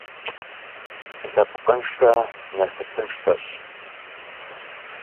Лъэпкъыншэ насыпыншэщ.